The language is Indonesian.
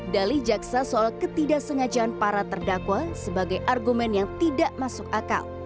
dali jaksa soal ketidaksengajaan para terdakwa sebagai argumen yang tidak masuk akal